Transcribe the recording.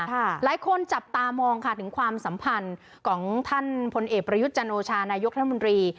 หลายคนจับตามองค่ะถึงความสัมพันธ์ของท่านพลเอกประยุทธ์จันโอชานายกรัฐมนตรี